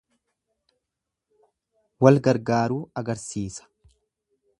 Wal gargaaruu agarsiisa.